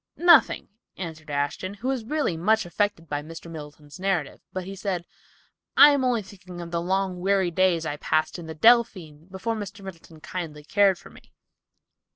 "Nothing," answered Ashton, who really was much affected by Mr. Middleton's narrative; but he said, "I am only thinking of the long, weary days I passed in the Delphine before Mr. Middleton kindly cared for me."